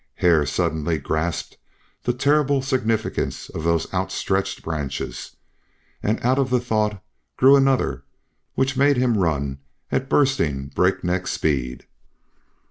Hare suddenly grasped the terrible significance of those outstretched branches, and out of the thought grew another which made him run at bursting break neck speed.